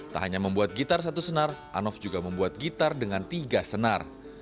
tak hanya membuat gitar satu senar anov juga membuat gitar dengan tiga senar